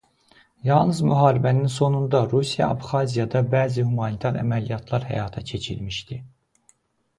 Yalnız müharibənin sonunda Rusiya Abxaziyada bəzi humanitar əməliyyatlar həyata keçirmişdi.